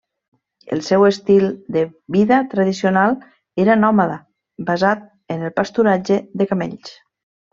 El seu estil de vida tradicional era nòmada, basat en el pasturatge de camells.